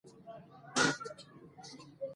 مولوی عبدالله روحاني د اتحادیو له مشرانو وغوښتل